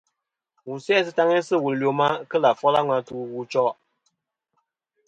Wù sè sɨ taŋi sɨ̂ wùl ɨ lwema kelɨ̀ àfol a ŋweyn atu wu choʼ.